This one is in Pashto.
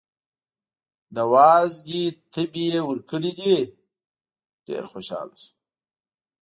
د وازدې تبی یې ورکړی دی، ډېر خوشحاله شو.